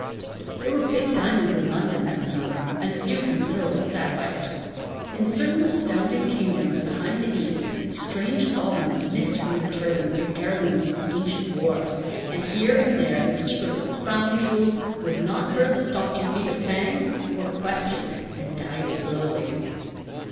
There were big diamonds in London that summer and a few considerable sapphires. In certain astounding kingdoms behind the East strange sovereigns missed from their turbans the heirlooms of ancient wars, and here and there the keepers of crown jewels who had not heard the stockinged feet of Thang, were questioned and died slowly.